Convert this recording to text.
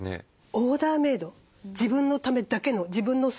オーダーメード自分のためだけの自分の寸法